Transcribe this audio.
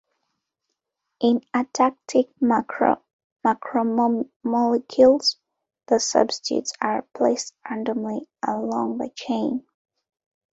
In atactic macromolecules the substituents are placed randomly along the chain.